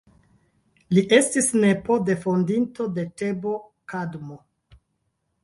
Li estis nepo de fondinto de Tebo Kadmo.